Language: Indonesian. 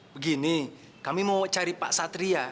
begini kami mau cari pak satria